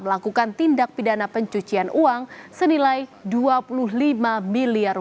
melakukan tindak pidana pencucian uang senilai rp dua puluh lima miliar